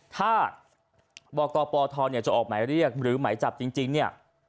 ถ้าบอกต่อปอทรจะออกหมายเรียกหรือหมายจับจริง